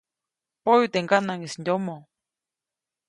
Poyu teʼ ŋganaŋʼis yomoʼ.